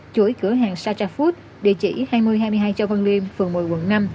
chuỗi cửa hàng sachafood địa chỉ hai nghìn hai mươi hai châu văn liêm phường một mươi quận năm